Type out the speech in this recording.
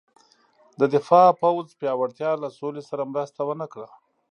د دفاع پوځ پیاوړتیا له سولې سره مرسته ونه کړه.